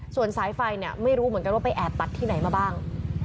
ส่วนสายไฟเนี่ยไม่รู้เหมือนกันว่าไปแอบตัดที่ไหนมาบ้าง